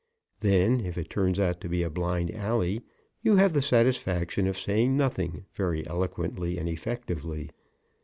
Then, if it turns out to be a blind alley, you have the satisfaction of saying nothing, very eloquently and effectively.